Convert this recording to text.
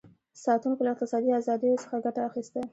ساتونکو له اقتصادي ازادیو څخه ګټه اخیسته.